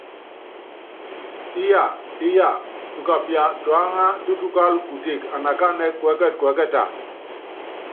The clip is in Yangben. Íya íya, tukapia tuáŋá tútukála kuteke anakánɛ́ kuɛ́kɛtɛ kuɛ́kɛta?